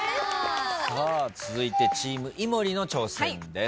続いてチーム井森の挑戦です。